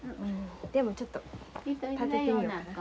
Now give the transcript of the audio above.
でもちょっと立ててみようか。